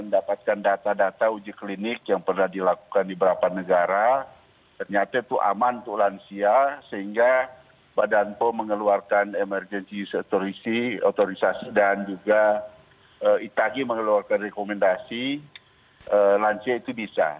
dan mendapatkan data data uji klinik yang pernah dilakukan di beberapa negara ternyata itu aman untuk lansia sehingga badan pem mengeluarkan emergency use authorization dan juga itagi mengeluarkan rekomendasi lansia itu bisa